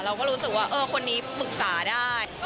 เราก็รู้สึกว่าคนนี้ปรึกษาได้